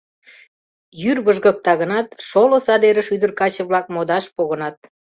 Йӱр выжгыкта гынат, шоло садерыш ӱдыр-каче-влак модаш погынат.